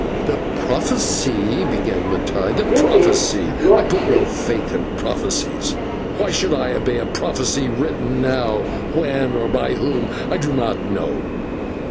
"The prophecy " began Mattai. "The prophecy! I put no faith in prophecies. Why should I obey a prophecy written how, when, or by whom I do not know?